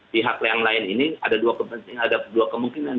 pihak yang lain ini ada dua kepentingan ada dua kemungkinan